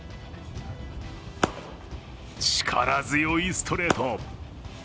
力強いストレート。